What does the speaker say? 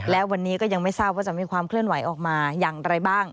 และวันนี้ก็ยังไม่ทราบว่าจะมีความเคลื่อนไหวออกมาอย่างไรบ้าง